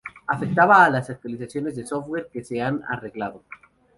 Afectaba a las actualizaciones de software que se han arreglado.